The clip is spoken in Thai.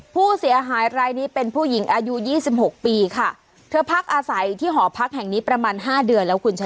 ผู้เสียหายรายนี้เป็นผู้หญิงอายุยี่สิบหกปีค่ะเธอพักอาศัยที่หอพักแห่งนี้ประมาณห้าเดือนแล้วคุณชนะ